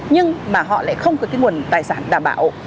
nhưng mà họ lại không có cái nguồn tài sản đảm bảo